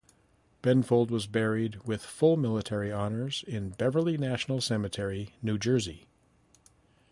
Benfold was buried with full military honors in Beverly National Cemetery, New Jersey.